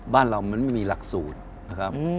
บ้านเรามันไม่มีหลักสูตรนะครับ